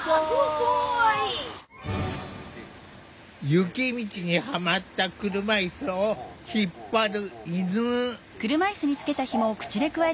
雪道にはまった車いすを引っ張る犬。